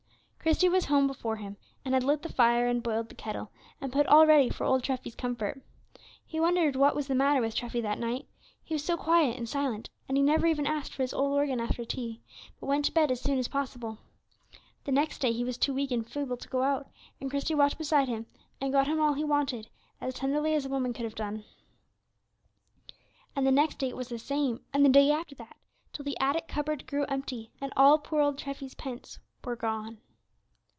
Christie was at home before him, and had lit the fire, and boiled the kettle, and put all ready for old Treffy's comfort. He wondered what was the matter with Treffy that night; he was so quiet and silent, and he never even asked for his old organ after tea, but went to bed as soon as possible. And the next day he was too weak and feeble to go out; and Christie watched beside him, and got him all he wanted, as tenderly as a woman could have done. And the next day it was the same, and the day after that, till the attic cupboard grew empty, and all poor old Treffy's pence were gone.